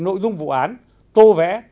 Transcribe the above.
nội dung vụ án tô vẽ